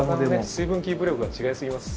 水分キープ力が違い過ぎます。